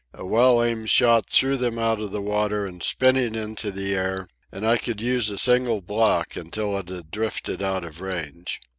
A well aimed shot threw them out of the water and spinning into the air, and I could use a single block until it had drifted out of range.